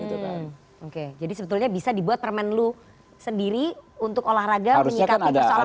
oke jadi sebetulnya bisa dibuat permen lu sendiri untuk olahraga menyikatkan soal soal seperti ini